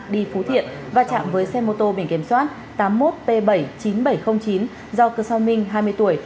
đi phú thiện và chạm với xe mô tô biển kiểm soát tám mươi một p bảy mươi chín nghìn bảy trăm linh chín do cơ sao minh hai mươi tuổi